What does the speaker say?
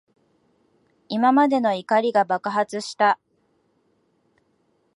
今までの怒りが爆発した。